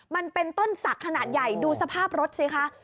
มันเป็นต้นศักดิ์ขนาดใหญ่ดูสภาพรถสิคะ